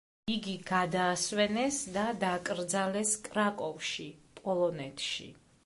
იგი გადაასვენეს და დაკრძალეს კრაკოვში, პოლონეთში.